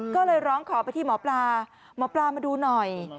ก็เลยร้องขอไปที่หมอปลาหมอปลามาดูหน่อย